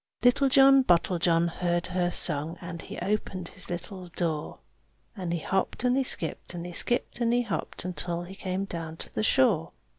Little John Bottlejohn heard her song, And he opened his little door. And he hopped and he skipped, and he skipped and he hopped, Until he came down to the shore.